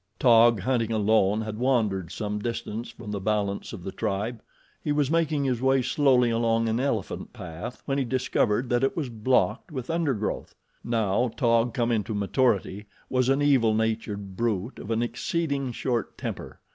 Taug, hunting alone, had wandered some distance from the balance of the tribe. He was making his way slowly along an elephant path when he discovered that it was blocked with undergrowth. Now Taug, come into maturity, was an evil natured brute of an exceeding short temper.